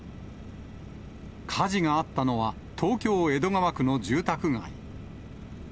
火事があったのは、東京・江戸川区の住宅街。